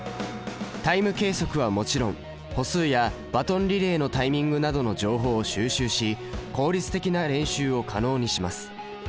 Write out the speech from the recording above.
タイム計測はもちろん歩数やバトンリレーのタイミングなどの情報を収集し効率的な練習を可能にします。